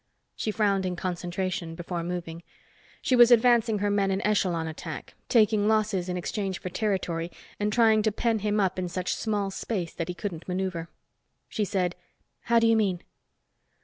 She frowned in concentration, before moving. She was advancing her men in echelon attack, taking losses in exchange for territory and trying to pen him up in such small space that he couldn't maneuver. She said, "How do you mean?"